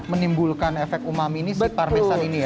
menimbulkan efek umami ini si parmesan ini ya